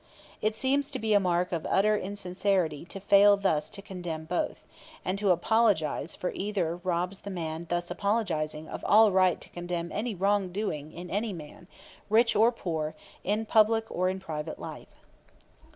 It seems to be a mark of utter insincerity to fail thus to condemn both; and to apologize for either robs the man thus apologizing of all right to condemn any wrongdoing in any man, rich or poor, in public or in private life.